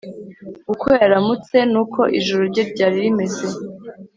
uko yaramutse n’uko ijoro rye ryari rimeze,